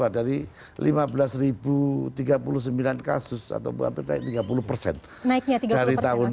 nah aku harap prosedurnya ini tetap dikatakan